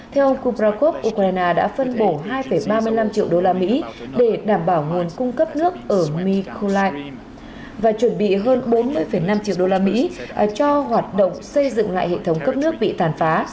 theo ông kuprakov ukraine đã phân bổ hai ba mươi năm triệu đô la mỹ để đảm bảo nguồn cung cấp nước ở mikholai và chuẩn bị hơn bốn mươi năm triệu đô la mỹ cho hoạt động xây dựng lại hệ thống cấp nước bị tàn phá